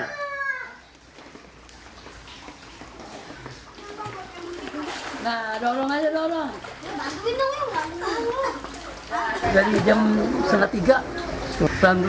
heri republik geweboran destroying water return camp site dan adik adik pencuri rumor